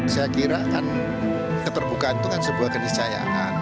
saya kira kan keterbukaan bukan sebuah keniscahayaan